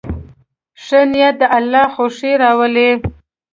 ښه نیت د الله خوښي راولي.